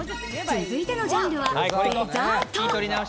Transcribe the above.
続いてのジャンルはデザート。